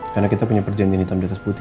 karena kita punya perjanjian hitam di atas putih